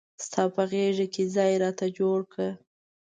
ستا په غیږ کې ځای راته جوړ کړه.